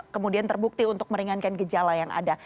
kemudian terbukti untuk meringankan gejala yang ada